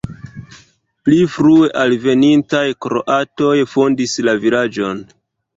Pli frue alvenintaj kroatoj fondis la vilaĝon.